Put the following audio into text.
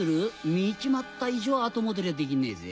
見ちまった以上後戻りはできねえぜ。